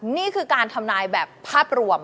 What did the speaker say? นี่คือการทำนายแบบภาพรวม